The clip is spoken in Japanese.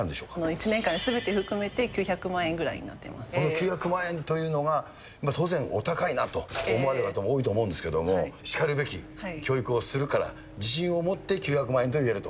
１年間ですべてを含めて９００万円というのが、当然、お高いなと思われる方もいると思うんですけれども、しかるべき教育をするから、自信を持って９００万円と言えると。